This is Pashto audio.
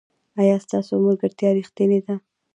ایا ستاسو ملګرتیا ریښتینې ده؟